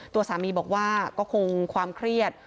ตัวสามีบอกว่าก็คงความเครียด